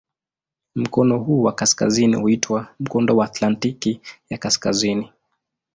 Mkono huu wa kaskazini huitwa "Mkondo wa Atlantiki ya Kaskazini".